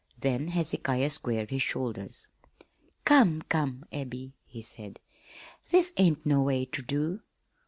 Then Hezekiah squared his shoulders. "Come, come, Abby," he said, "this ain't no way ter do.